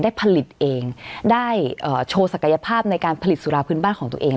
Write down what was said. ได้ผลิตเองได้โชว์ศักยภาพในการผลิตสุราพื้นบ้านของตัวเอง